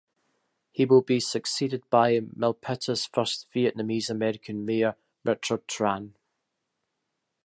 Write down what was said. He will be succeeded by Milpitas' first Vietnamese American mayor Richard Tran.